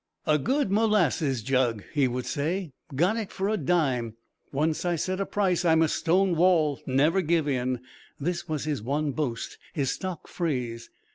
"A good molasses jug," he would say; "got it for a dime. Once I set a price I'm a stone wall; never give in." This was his one boast, his stock phrase.